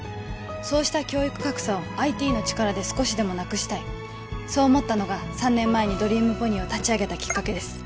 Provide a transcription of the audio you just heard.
そうした教育格差をＩＴの力で少しでもなくしたいそう思ったのが３年前にドリームポニーを立ち上げたきっかけです